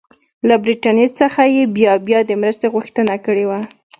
له برټانیې څخه یې بیا بیا د مرستې غوښتنه کړې وه.